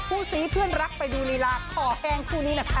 คู่ซีเพื่อนรักไปดูลีลาคอแห้งคู่นี้หน่อยค่ะ